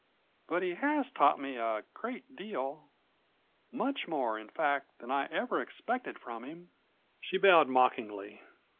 But he has taught me a great deal much more, in fact, than I ever expected from him." She bowed mockingly.